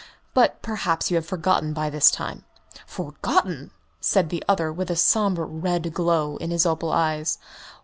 But probably you have forgotten by this time." "Forgotten!" said the other, with a sombre red glow in his opal eyes.